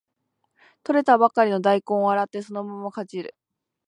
採れたばかりの大根を洗ってそのままかじる